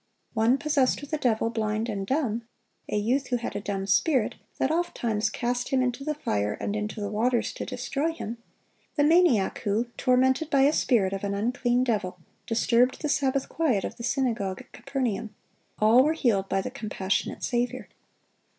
(909) One "possessed with a devil, blind, and dumb;"(910) a youth who had a dumb spirit, that ofttimes "cast him into the fire, and into the waters, to destroy him;"(911) the maniac who, tormented by "a spirit of an unclean devil,"(912) disturbed the Sabbath quiet of the synagogue at Capernaum,—all were healed by the compassionate Saviour.